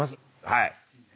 はい。